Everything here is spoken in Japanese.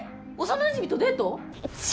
幼なじみとデート？